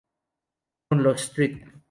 Con los St.